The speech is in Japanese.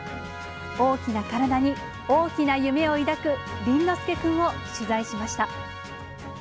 大きな体に大きな夢を抱く倫之亮君を取材しました。